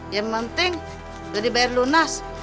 yang penting udah dibayar lu nas